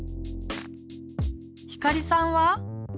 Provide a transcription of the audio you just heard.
ひかりさんは？